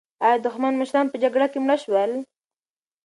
ایا دښمن مشران په جګړه کې مړه شول؟